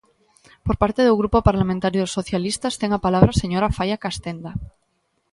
Por parte do Grupo Parlamentario dos Socialistas ten a palabra a señora Faia Castenda.